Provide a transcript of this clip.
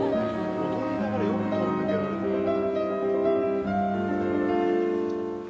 踊りながらよく通り抜けられるよね。